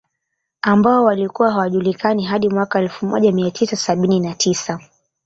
Ambao walikuwa hawajulikani hadi mwaka Elfu moja mia tisa sabini na tisa